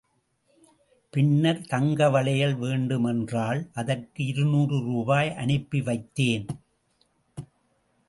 பின்னர் தங்க வளையல் வேண்டுமென்றாள் அதற்கு இருநூறு ரூபாய் அனுப்பி வைத்தேன்.